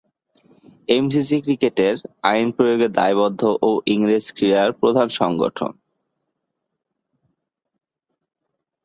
MCC ক্রিকেটের আইন প্রয়োগে দায়বদ্ধ ও ইংরেজ ক্রীড়ার প্রধান সংগঠন।